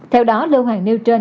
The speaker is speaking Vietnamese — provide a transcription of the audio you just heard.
theo đó lưu hàng nêu trên